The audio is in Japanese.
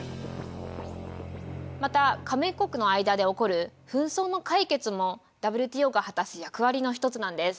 また加盟国の間で起こる紛争の解決もＷＴＯが果たす役割の一つなんです。